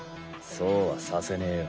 そうはさせねえよ。